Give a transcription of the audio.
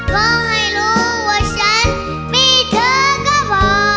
ขอให้รู้ว่าฉันมีเธอก็พอ